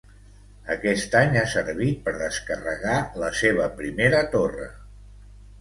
aquest any ha servit per descarregar la seva primera torre